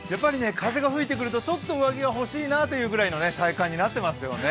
風が吹いてくるとちょっと上着が欲しいなという体感になっていますよね。